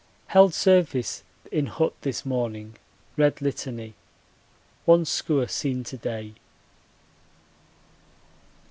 Held service in hut this morning, read Litany. One skua seen to day.